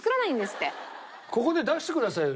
ここで出してくださいよ